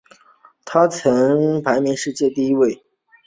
他曾经排名世界第一位。